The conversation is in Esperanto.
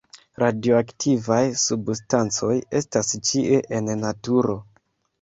Radioaktivaj substancoj estas ĉie en naturo.